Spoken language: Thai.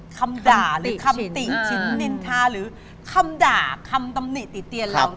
คำด่าหรือคำติ่งฉินนินทาหรือคำด่าคำตำหนิติเตียนเรา